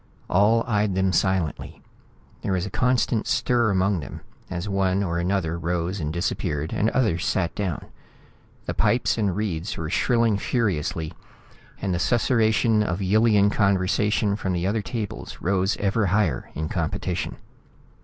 All eyed them silently. There was a constant stir among them as one or another rose and disappeared and others sat down. The pipes and reeds were shrilling furiously, and the susurration of Yillian conversation from the other tables rose ever higher in competition.